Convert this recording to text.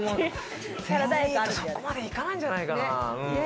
ゼロミート、そこまでいかないんじゃないかな？